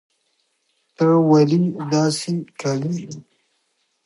ته ولي داسي کوي